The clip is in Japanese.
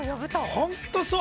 本当にそう。